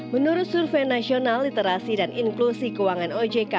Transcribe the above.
menurut survei nasional literasi dan inklusi keuangan ojk